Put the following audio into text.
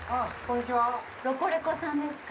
ロコレコさんですか。